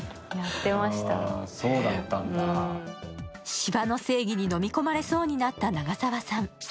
斯波の正義に飲み込まれそうになった長澤さん。